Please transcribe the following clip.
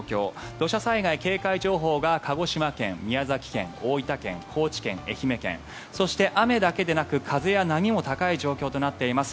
土砂災害警戒情報が鹿児島県、宮崎県大分県、高知県、愛媛県そして、雨だけでなく風や波も高い状況となっています。